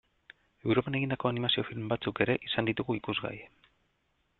Europan egindako animazio film batzuk ere izan ditugu ikusgai.